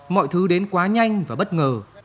mọi thứ đến quá nhanh và bất ngờ